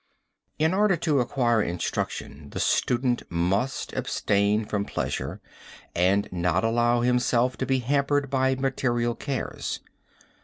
"In order to acquire instruction the student must abstain from pleasure and not allow himself to be hampered by material cares.